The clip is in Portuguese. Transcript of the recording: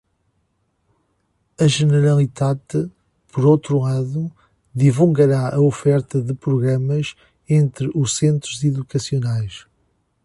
A Generalitat, por outro lado, divulgará a oferta de programas entre os centros educacionais.